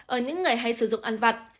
ở những người hay sử dụng ăn vặt